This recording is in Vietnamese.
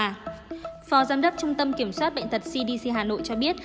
phó giám đốc trung tâm kiểm soát bệnh tật cdc hà nội cho biết